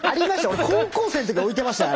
俺高校生の時に置いてましたよ